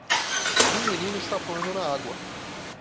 Um menino está pulando na água